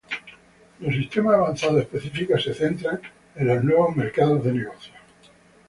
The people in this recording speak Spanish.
Los sistemas avanzados específicos se centran en los nuevos mercados de negocio.